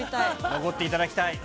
残っていただきたい。